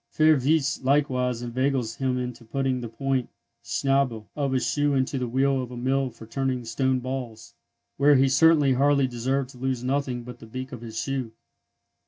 Fürwitz likewise inveigles him into putting the point (schnäbel) of his shoe into the wheel of a mill for turning stone balls, where he certainly hardly deserved to lose nothing but the beak of his shoe.